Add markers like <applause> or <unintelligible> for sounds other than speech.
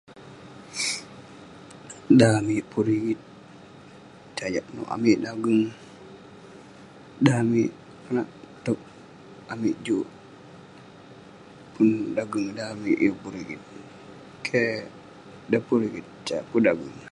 Dan amik pun rigit sajak nouk amik lage <unintelligible> Dan amik kenak touk amik juk pun dageng dan amik yeng pun rigit keh, dan yeng pun rigit sat pedam